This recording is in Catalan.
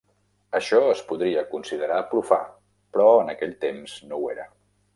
Això es podria considerar profà, però en aquells temps no ho era.